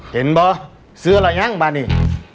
เห็นป่ะเสืออะไรหยังมานี่